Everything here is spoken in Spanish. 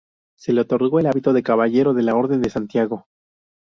Se le otorgó el hábito de caballero de la Orden de Santiago.